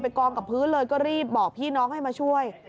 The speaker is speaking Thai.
กองกับพื้นเลยก็รีบบอกพี่น้องให้มาช่วย